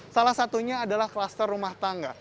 salah satunya adalah kluster rumah tangga